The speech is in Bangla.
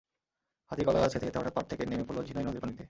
হাতি কলাগাছ খেতে খেতে হঠাৎ পাড় থেকে নেমে পড়ল ঝিনাই নদের পানিতে।